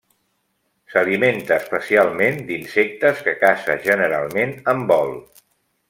S'alimenta especialment d'insectes que caça generalment en vol.